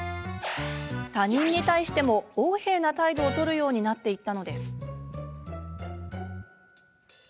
他人に対しても、横柄な態度を取るようになっていったのです。